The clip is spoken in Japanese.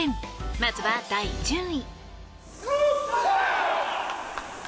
まずは第１０位。